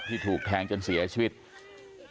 แม็กกี้อยากบอกอะไรกับครอบครัวภรรยาไหมเป็นครั้งสุดท้าย